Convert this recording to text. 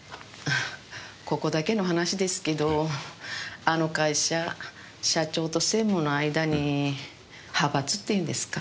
ここだけの話ですけどあの会社社長と専務の間に派閥っていうんですか？